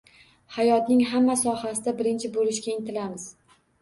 Hayotning hamma sohasida birinchi bo’lishga intilamiz.